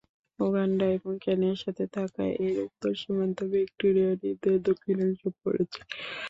Uganda এবং কেনিয়ার সাথে থাকা এর উত্তর সীমান্তে ভিক্টোরিয়া হ্রদের দক্ষিণাংশ পড়েছে।